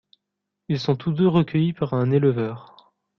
Ils sont tous deux recueillis par un éleveur.